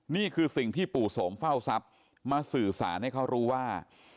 นี่คือสิ่งที่ปู่โสมเฝ้าทรัพย์มาสื่อสารให้เขารู้ว่า